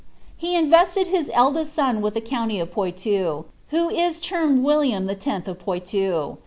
He invested his eldest son with the county of Poitou, who is termed William the tenth of Poitou.